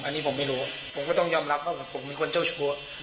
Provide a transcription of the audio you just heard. อันนี้ผมไม่รู้ผมก็ต้องยอมรับว่าผมเป็นคนเจ้าชู้